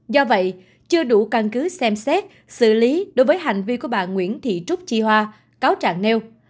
do vậy chưa đủ căn cứ xem xét xử lý đối với hành vi của bà nguyễn thị trúc chi hoa cáo trạng nêu